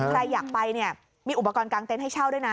ใครอยากไปเนี่ยมีอุปกรณ์กลางเต็นต์ให้เช่าด้วยนะ